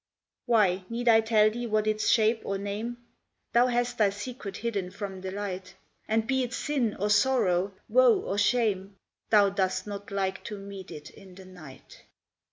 Why, need I tell thee what its shape or name? Thou hast thy secret hidden from the light: And be it sin or sorrow, woe or shame, Thou dost not like to meet it in the night.